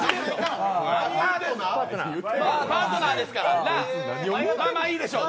パートナーですから、まあまあいいでしょう。